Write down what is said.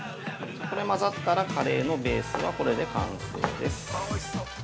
これが混ざったらカレーのベースはこれで完成です。